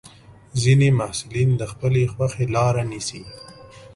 ځینې محصلین د خپلې خوښې لاره نیسي.